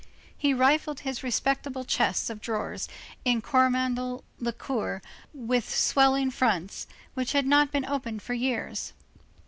He rifled his respectable chests of drawers in Coromandel lacquer, with swelling fronts, which had not been opened for years.